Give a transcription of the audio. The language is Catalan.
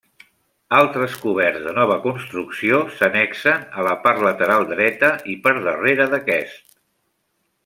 Altres coberts de nova construcció s'annexen a la part lateral dreta i per darrere d'aquest.